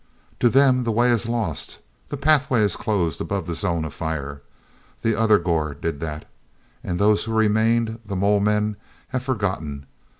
"To them the way is lost; the Pathway is closed above the zone of fire. That other Gor did that. And those who remained—the mole men—have forgotten.